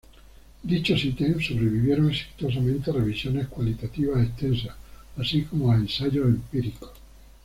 Dichos ítems sobrevivieron exitosamente a revisiones cualitativas extensas así como a ensayos empíricos.